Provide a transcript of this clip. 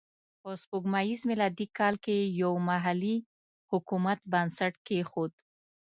په سپوږمیز میلادي کال کې یې یو محلي حکومت بنسټ کېښود.